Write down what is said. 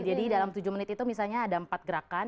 jadi dalam tujuh menit itu misalnya ada empat gerakan